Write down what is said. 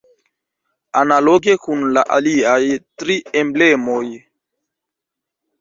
Analoge kun la aliaj tri emblemoj.